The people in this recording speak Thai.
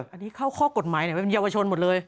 อันนี้เข้าข้อกฎหมายเป็นเยาวชนหมดเลย